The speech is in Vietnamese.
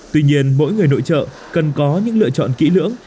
tuy nhiên mỗi người nội trợ cần có những lựa chọn kỹ lưỡng